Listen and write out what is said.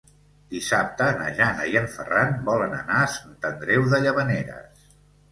Dissabte na Jana i en Ferran volen anar a Sant Andreu de Llavaneres.